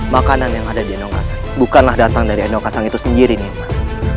makanan yang ada di endong kasang bukanlah datang dari endong kasang itu sendiri nimas